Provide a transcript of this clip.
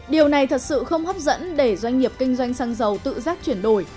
điều này thật sự không hấp dẫn để doanh nghiệp kinh doanh xăng dầu tự giác chuyển đổi